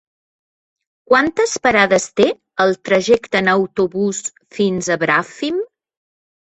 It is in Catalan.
Quantes parades té el trajecte en autobús fins a Bràfim?